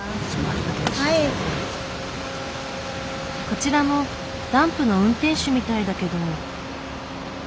こちらもダンプの運転手みたいだけど。